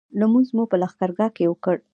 لمونځ مو په لښکرګاه کې وکړ.